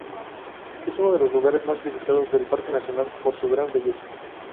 Es uno de los lugares más visitados del parque nacional por su gran belleza.